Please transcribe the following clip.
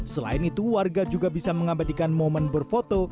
selain itu warga juga bisa mengabadikan momen berfoto